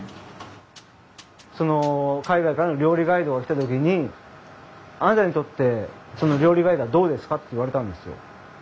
その海外からの料理ガイドが来た時に「あなたにとってその料理ガイドはどうですか？」って言われたんですよ。